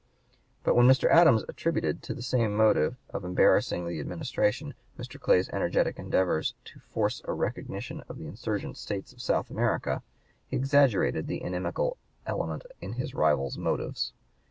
But when Mr. Adams attributed to the same motive of embarrassing the (p. 152) Administration Mr. Clay's energetic endeavors to force a recognition of the insurgent states of South America, he exaggerated the inimical element in his rival's motives.